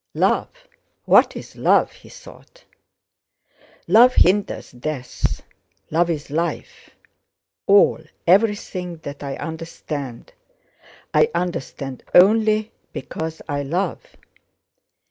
"Love? What is love?" he thought. "Love hinders death. Love is life. All, everything that I understand, I understand only because I love.